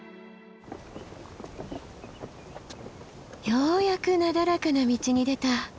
ようやくなだらかな道に出た。